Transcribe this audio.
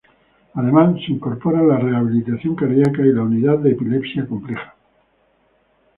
Además se incorpora la Rehabilitación Cardíaca y la Unidad de Epilepsia Compleja.